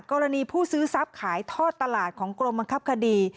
กรณีผู้ซื้อทรัพย์ขายทอดตลาดของกรมบังคับคดี